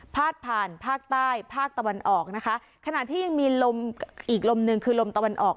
พาดผ่านภาคใต้ภาคตะวันออกนะคะขณะที่ยังมีลมอีกลมหนึ่งคือลมตะวันออก